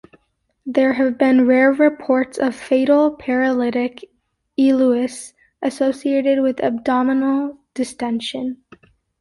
There have been rare reports of fatal paralytic ileus associated with abdominal distention.